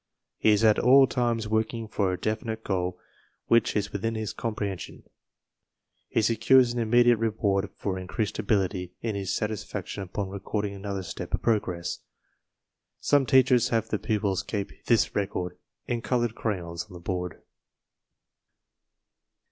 He is at all times working for a definite goal which is within his comprehension. He secures an im mediate reward for increased ability in his satisfaction upon recording another step of progress. (Some teach ers have the pupils keep this record, in colored crayons, on the board.)